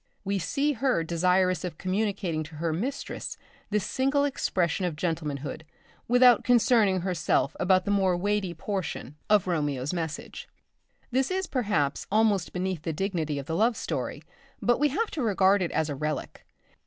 We see her desirous of communicating to her mistress this single expression of gentlemanhood without concerning herself about the more weighty portion of Romeo's message. This is, perhaps, almost beneath the dignity of the love story, but we have to regard it as a relic.